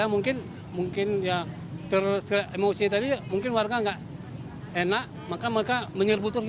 mungkin emosi tadi mungkin warga tidak enak maka mereka menyerbutur